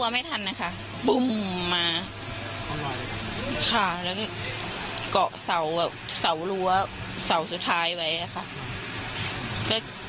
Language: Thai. มาค่ะแล้วก็เกาะเสาเสารัวเสาสุดท้ายไว้อะค่ะ